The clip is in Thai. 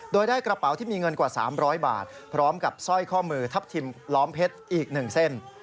โดยได้กระเป๋าที่มีเงินกว่า๓๐๐บาทพร้อมกับสร้อยข้อมือทับทิมล้อมเพชรอีก๑เส้น